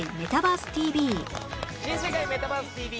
『新世界メタバースＴＶ！！』